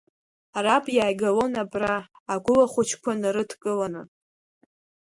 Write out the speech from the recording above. Раб иааигалон абра, агәыла хәыҷқәа нарыдкыланы.